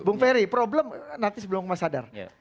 bung ferry problem nanti sebelum mas sadar